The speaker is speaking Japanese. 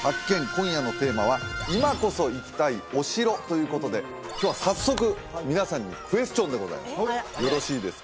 今夜のテーマは今こそ行きたいお城ということで今日は早速皆さんにクエスチョンでございますよろしいですか？